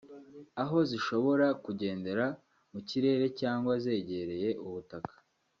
aho zishobora kugendera mu kirere cyangwa zegereye ubutaka